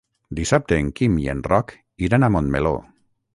Dissabte en Quim i en Roc iran a Montmeló.